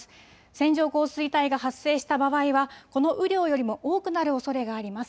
線状降水帯が発生した場合はこの雨量よりも多くなるおそれがあります。